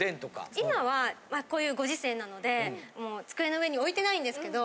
今はまあこういうご時世なので机の上に置いてないんですけど。